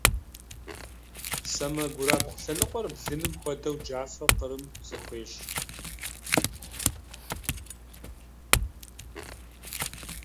Сэмэгурабгъу лъэныкъуэр блыным хуэдэу джафэ къырым зэхуещӀ.